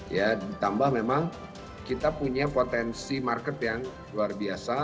ya ditambah memang kita punya potensi market yang luar biasa